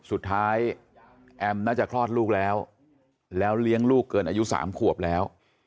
แอมน่าจะคลอดลูกแล้วแล้วเลี้ยงลูกเกินอายุ๓ขวบแล้ว